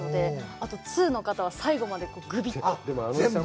あと、通の方は、最後までぐびっと。